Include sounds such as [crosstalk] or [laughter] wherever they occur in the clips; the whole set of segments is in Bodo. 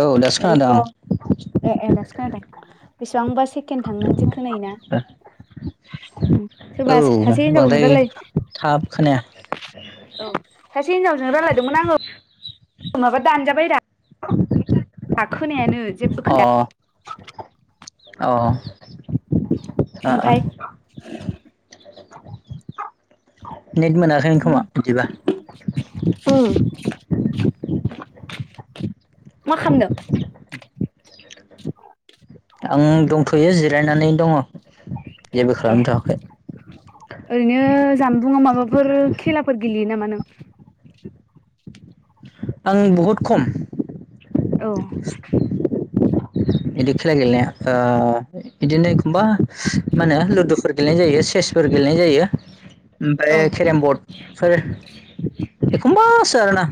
औ दासो हेल' खोनादां ए ए दासो खोनदों बेसेबांबा सेकेणड थांनानैसो खोनायो ना आं ओम औ सोरबा सासे हेंजावजों बांद्राय रायलाय थाब खोनाया औ सासे हिनजावजों रायजलायदोंमोन आङो माबा दानजाबाय रा दा खोनायानो जेबबो खोनाया औ ओ ओ ओमफ्राय नेट मोनाखै खोमा बिदिबा ओम मा खालामदों आं दंथ'यो जिरायनानै दङ जेबो ए खालामथ'वाखै ओरैनो जानबुंआव माबाफोर खेलाफोर गेलेयो नामा नों आं बहुद खम औ बिदि खेला गेलेनाया ओ बिदिनो एखमबा मा होनो लुदुफोर गेलेनाय जायो चेसफोर गेलेनाय जायो औ ओमफ्राय केरेम बरडफोर एखमबासो आरोना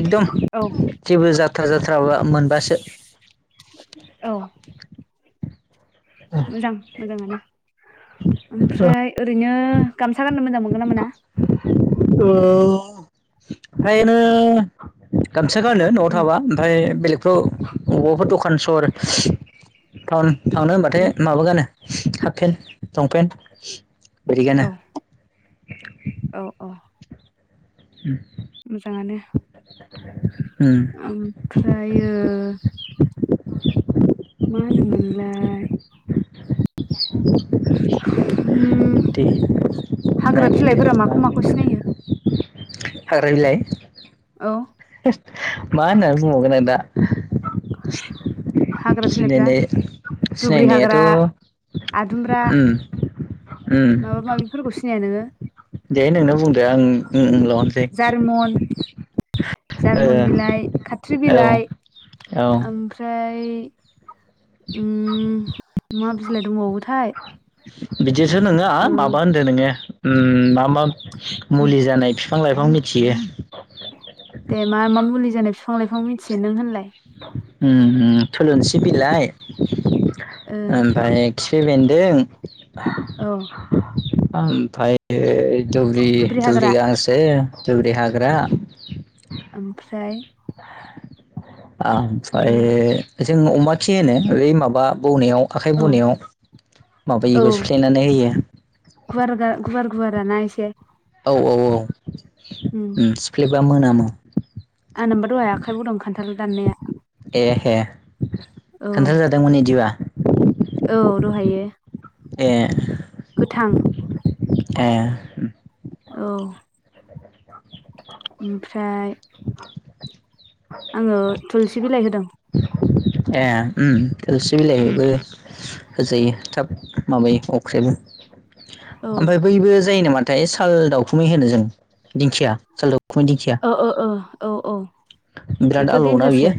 एकदम औ जेबो जाथ्रा जाथ्रााबा मोनबासो औ मोजां मोजाङानो ओमफ्राय ओरै नो गामसा गाननो मोजां मोनगोन ना मोना ओ ओरैनो गामसा गानो नवाव उम थाबा ओमफ्राय बेलेग गावथ मावबाफोर दखान सहर टाउन थांनो होनबाथाय उम माबा गानो हाफ पेेनट लंपेन्ट बिदि गानो औ औ औ [inaudible] मोजाङानो [inaudible] ओमफ्रायो माहोनोमोनलाय ओम बिदि हाग्रा नागिरदो बिलाइफोरा मा माखौ माखौ सिनायो? हाग्रा बिलाय औ मा होननानै बुंबावगोन आं दा हाग्रा बिलाइफ्रा सिनायनाय दुब्रि सिनायनायाथ हाग्रा आदुमब्रा उम उम माबा माबिफोरखौ सिनाया नोङो? दे नोंनो बुंदो आं लनोसै जारमन बिलाइ खाथ्रि बिलाइ औ औ ओमफ्राय फ्राय ओम मा बिलाइ दंबावोथाय बिदिसो नोङा ओ माबा होनदों नोङो ओम मा मा उम मुलि जानाय फि बिफां लाइफां मिथियो। दे मा मा मुलि जानाय बिफां लाइफां मिथियो नों होनलाय? ओम थुलुंसि बिलाइ ओ ओमफ्राय खिफि बेन्दों औ ओमफ्राय दुब्लि दुब्रि हाग्रा दुबलि गांसो दुब्रि हाग्रा ओमफ्राय उम ओमफ्राय जों अमा खि होनो बै माबा बौनायाव आखाइ औ बौनायाव औ माबायखौ सुफ्लायनानै होयो। गुवार गुवार गुवाराना एसे औ औ औ सिफ्लेबा मोनामो। आंनाबो दहाय आखाइबौदों खान्थाल दाननाया। ए हे औ खोन्था जादोंमोन इदिबा औ औ दहायो। ए गोथां। ए औ ओमफ्राय [inaudible] आङो थुलसि बिलाइ होदों। ए ओम थुलसि बिलाइ बेबो होजायो थाब माबायो औ ओ अख्रेबोओमफ्राय बैबो जायो नामाथाय साल दावखुमै होनो जों दिंखिया साल दुम अ अ औ औ औ बिराद बेथ' आलोवयोना देन्जारसो बियो।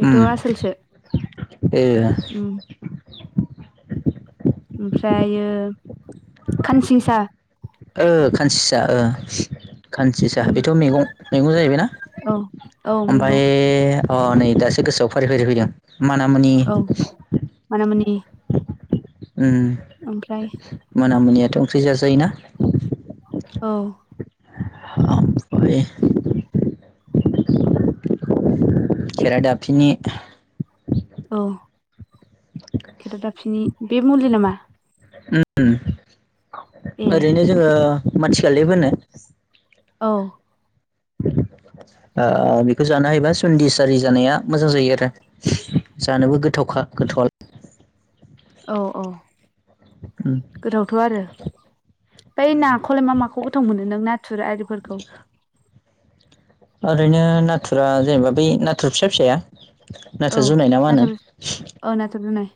बेथ' आसोलसो उम ए उम ओमफ्रायो खानसिंसा। ओ खानसिसा ओ खानसिसा उम बेथ' मेगं। मेगं जाहैबायना। औ औ ओमफाय मेगं अ नै दासो गोसोआव फारि फारि फैदों मानामुनि। औ मानामुनि ओमफ्राय उम मानामनियाथ' ओंख्रि जाजायोना। औ [unintelligible] खेराइ दाफिनि औ खेदादाफिनि बे मुलि नामा? ए ओम ओरैनो जोङो मानसियालाय फोनो औ [unintelligible] ओ बेखौ जानो हायोबा ज'न्दिस आरि जानाया मोजां जायो आरो, जानोबो गोथाव। खा गोथावा [unintelligible] औ औ गोथावथ' आरो बै नाखौलाय मा माखौ गोथाव मोनो नों नाथुर आरिफोरखौ ओरैनो नाथुरा जेनेबा बै नाथुर फिसा फिसाया औ नाथुर' जुनायना मा होनो नाथुर औ नाथुर जुनाय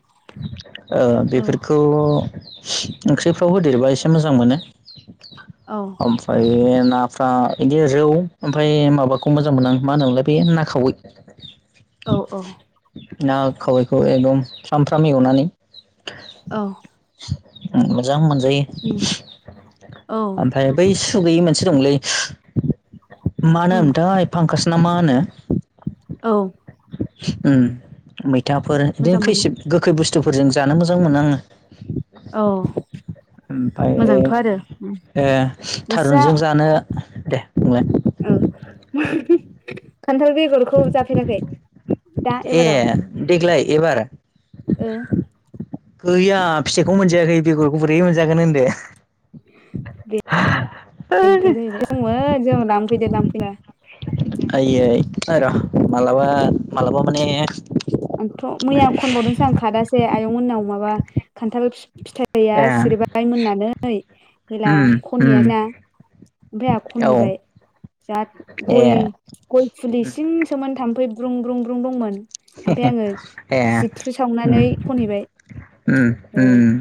ओ औ बेफोरखौ ओंख्रिफ्राव होदेरबा एसे मोजां मोनो औ ओमफ्रायो नाफ्रा बिदि रौ ओमफ्राय माबाखौ मोजां मोनो आं मा होनोमोनलाय बे ना खावै औ औ ना खावैखौ एकदम फ्राम फ्राम एवनानै औ मोजां मोनजायो उम औ ओमफ्राय बै सुगैयै मोनसे दंलै मा उम नामथाय फांखास। नामा होनो औ उम मैथाफोर बिदिनो मोजां मोनो खैसिब गोखै बुस्थुफोरजों जानो मोजां मोनो आङो औ ओमफाय मोजांथ' आरो उम ए थारुनजों जानो दे बुंलाय औ [unintelligible] खान्थाल बेगरखौ जाफेराखै दा एबाराव ए देग्लाय एबार ओ गैया फिथाइखौ मोनजायाखै बेगरखौ बोरै मोनजागोन होनदो [unintelligible] होनदो जाहैबाय जोंङो [unintelligible] आइयै र' माबलाबा माबलाबा माने आंथ' मैया खनबावदोंसो आं खादसे आयं मोननाव माबा खान्थाल फिथाइया ए सिरबाय मोननानै गैला उम उम खनहैयासैना ओमफ्राय आहा औ खनहैबाय जा ए गय गय फुलि सिंसोमोन थाम्फै ब्रुं ब्रुं-ब्रुं दंमोन ओमफ्राय आङो [unintelligible] ए सिथ्रि उम सावनानै खनहैबाय औ उम-उम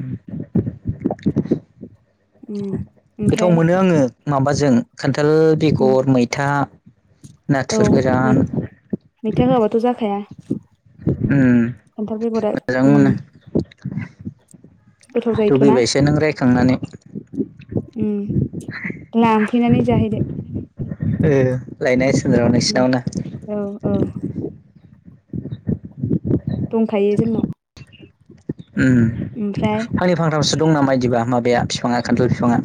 [unintelligible] उम गोथाव ओमफ्राय मोनो आङो माबाजों खान्थाल बेगर मैथा नाथुर औै गोरान मै मैथा होआबाथ' जाखाया उम खान्थाल बेगराव उम गोथाव जायोथ' ना लुबैबायसो नों रायखांनानै उम लांफैनानै जाहैदो ए लायनाय उम औ औ [unintelligible] दंखायो जोंनाव उम ओमफ्राय खालि [unintelligible] दं नामा इदिबा माबाया फिफांआ खान्थाल बिफाङा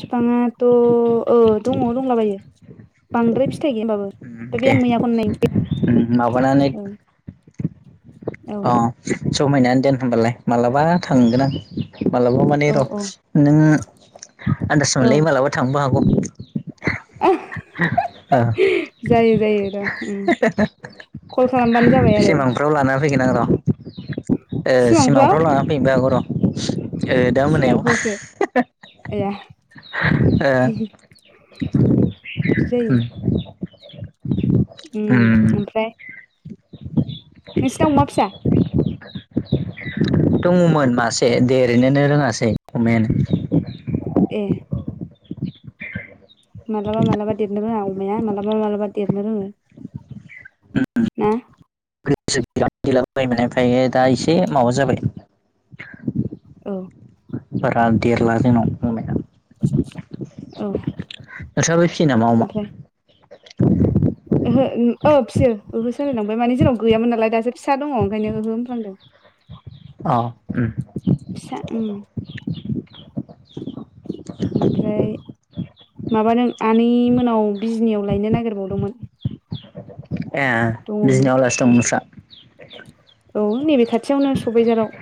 बिफाङाथ' औ दंङ दंलाबायो बांद्राय फिथाइ गैया होम्बाबो उम द बे दे आं मैयाखौनाय उम माबानानै औ [unintelligible] औ अ जमायनानै दोन होमबालाय माब्लाबा थांगोन आं माबलाबा माने औ र' औ नों आन्दाज औ मोनलायै माबलाबा थांनोबो हागौ [unintelligible] जायो जायो र' उम कल खालामबानो जाबाय आरो सिमांफ्राव लाना फैगोन आं सिमांफ्राव र' सिमांफ्राव लानानै फैनोबो सिमांफ्रावसो हागौ आया र' दा मोनायाव [unintelligible] बिदि ए जायो [unintelligible] उम ओमफ्राय नोंसिनाव अमा फिसा [unintelligible] दङमोन मासे देरैनोनो रोङासै अमायानो ए मालाबा मालाबा देरनोरोंङा अमा मालाबा मालाबा देरनो रोङो। ना? [unintelligible] ओमायो दा एसे माबा जाबाय। औ बारा देरला जोंनाव अमाया औ नोंसाबो फिसियो नामा अमाखौ ओमफ्राय ओहो ओ फिसियो ओहो सो होनलायलांबाय माने जोंनाव गैयामोन नालाय दासो फिसा दङ ओंखायनो ओहो होनफ्लांदों। अ उम फिसा उम [inaudible] ओमफ्राय माबा नों आनै मोननाव बिजनियाव लायनो नागिरबावदोंमोन। ए दङमोन बिजनियाव आलासि दं नोंस्रा? औ नैबे खाथियावनो सबायइझाराव।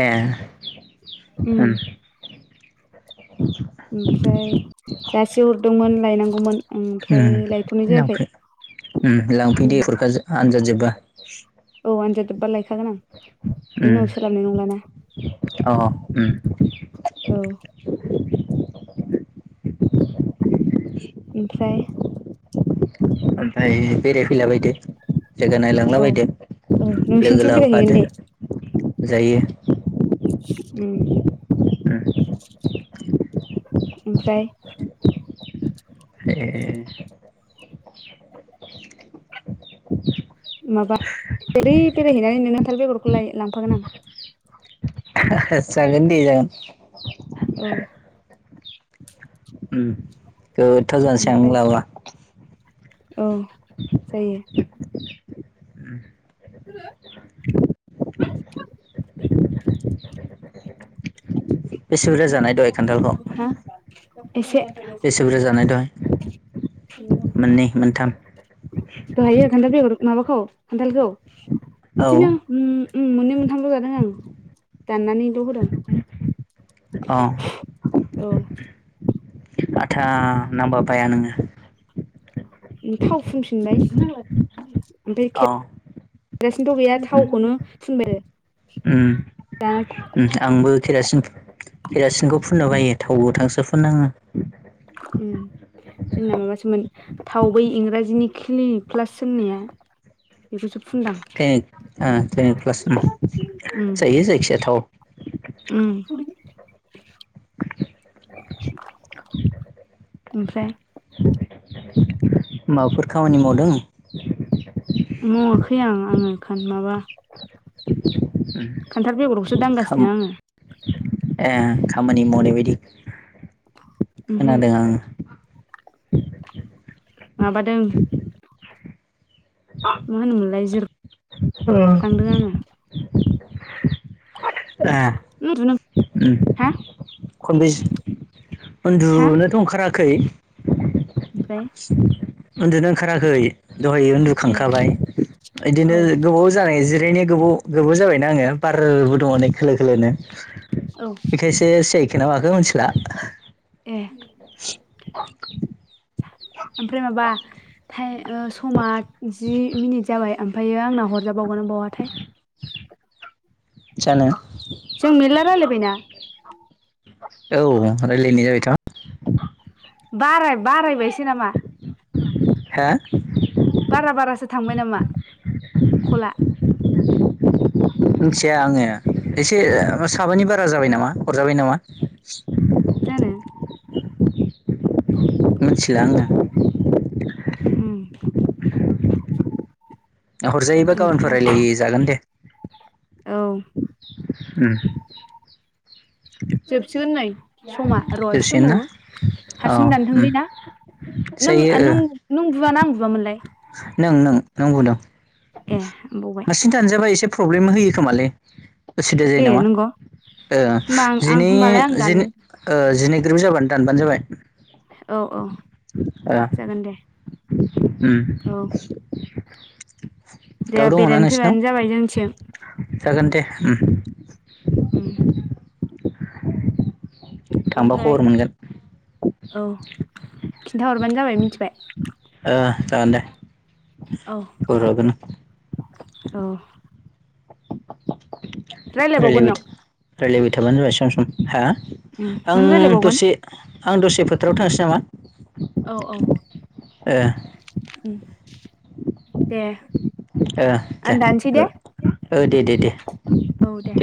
ए उम ओमफ्राय जासि हरदोंमोन लायनांगौमोन। ओमफ्राय उम लायथ'नाय जायाखै लांफै उम लांफै उम दे फरिखा जोब्बा आनजाद जोब्बा अ आनजाद जोब्बा लायखागोन आं बिनि उम उनाव सोलाबनाय नंलाना? अ उम औ [inaudible] ओमफ्राय ओमफ्राय बेराय फैला बायदो। जायगा नायलांला औ बायदो औ लोगो नोंसिनिथिं बेरायहैगोन लाबोफादो दे जायो। उम ओमफ्राय ए [inaudible] माबा ओरै बेरायहैनानै नों खानथाल बेगरखौ लाय लांफागोन आं। जागोन दे जागोन। औ उम गोथाव जानोसै आं नों ओमफ्राय लाबो औ जायो। [inaudible] [inaudible] बेसे बुरजा जानाय दहाय खान्थालखौ हा एसे बेसे बुरजा जानाय दहाय? मोननै मोनथाम दहायो खान्थाल बेगर माबाखौ खान्थालखौ। औ बिदिनो उम्म मोननै मोनथामल जादों आं दाननानैल होदों। अ औ। आथा नांबा बाया नोङो। थाव फुनफिनबाय ओमफाय। अ खेरासिनोथ गैया थावखौनो फुनबाय। दाना उम आंबो केरासिन केरासिनखौ फुननो बायो थाव गोथांसो फुननाङो। उम। जोंना माबासोमोन थाव बै इंराजिनि क्लि क्लास होननाया बेखौसो। फुनदां ए ओ क्लिनिक फ्लास जायो जायखिजया थाव। ओमफ्राय। माबाफोर खामानि मावदों। मावाखै आं आङो खान माबा। खान्थाल बेगरखौसो दांगासिनो आङो। ए खामानि मावनायबायायदि आङो खोनादों आङो। माबादों। मा होनोमोनलाय जिर ख्लांदों आङो। उन्दुनो ए हा खन बै। हा उन्दुनोथ ओंखाराखै। ओमफ्राय उन्दुनो ओंखाराखै। दहाय ए उन्दुखांखाबाय बिदिनो औ गोबाव जानाय जिरायनाय गोबाव गोबाव जाबाय। आङो बारबो दङ नै खोलो - खोलो औ बेखायसो सियायखोना माखो ना। नों मिनथिला। [unintelligible] [unintelligible] ओमफ्राय माबा समा जि मिनिट जाबाय ओमफ्रायायो आंना हरजा। बावगोन बावाथाय। जानो। जों मेरला रायलायबायना औ रायलायनाय जाबाय थ'। बाराय बारायबायसो नामा। हो बारा- बारासो थांबाय नामा कला। [unintelligible] मिथिया आङो एसे साबानि बारा जाबाय नामा हरजाबाय नामा। दानो। मिथिला आङो। उम। हरजायोबा गाबोन ओमफ्राय रायलाय जागोन दे। औ। [unintelligible] जोबसिगोन नै समा र' एसे दसेनो ना दंबावो औ हारसिं उम जानथोंलै ना। जायो ओ नों - नों बुयाना आं बुयामोन। नों - नों नंगौ दं ए बावबाय हारसिं दानजाबाय एसे। प्रब्लेम होयो खोमालै। उसुबिदा जायो ए नामा नंगौ होमबा आं आं होमबालाय जिनै- आं दान दिनै ओ जिनै ग्रोब जाबानो। दानबानो जाबाय। औ- औ ओ जागोन दे औ। दाव दे दङना बेरायनो फैबानो नोंसिनाव जाबाय जोंनिथिं जागोन दे। उम। थांबा ओमफ्राय खबर मोनगोन। औ खिन्थाहरबानो जाबाय मिथिबाय ओ जागोन दे औ खबर हरगोन आं - औ रायलायबावगोन रायलायबाय नों रायलायबाय थाबानो जाबाय सम- सम हा उम नों आं रायलायबावगोन दसे आं दसे फोथाराव थांनोसै नामा औ - औ ओ दे आं दानसै दे औ दे- दे- दे औ दे